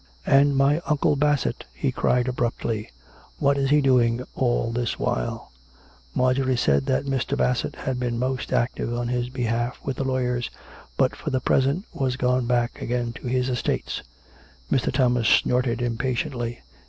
"And my Uncle Bassett? " he cried abruptly. "What is he doing all this while ?" Marjorie said that Mr. Bassett had been most active on his behalf with the lawyers, but, for the present, was gone back again to his estates. Mr. Thomas snorted impatiently.